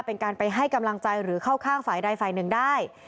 เป็นการไปให้กำลังใจหรือเข้าข้างฝ่ายใดฝ่ายหนึ่งได้